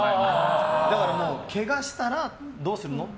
だから、けがしたらどうするの？